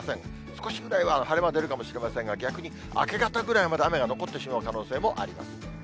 少しぐらいは晴れ間が出るかもしれませんが、逆に明け方ぐらいまで雨が残ってしまう可能性もあります。